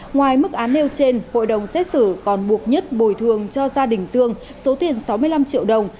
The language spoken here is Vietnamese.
ngoài mức án nêu trên hội đồng xét xử còn buộc nhất bồi thường cho gia đình dương số tiền sáu mươi năm triệu đồng